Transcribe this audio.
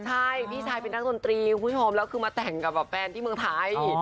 ใช่พี่ชายเป็นนักดนตรีคุณผู้ชมแล้วคือมาแต่งกับแฟนที่เมืองไทย